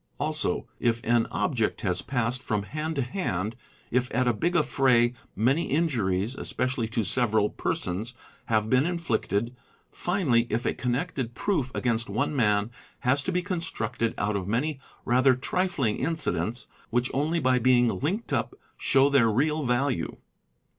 Also, if an — object has passed from hand to hand, if at a big affray many injuries — (especially to several persons) haye been inflicted, finally if a connected proof against one man has to be constructed out of many rather trifling incidents which only by being linked up show their real value.